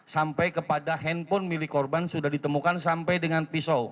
sampai kepada handphone milik korban sudah ditemukan sampai dengan pisau